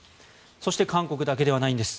そして韓国だけではないんです。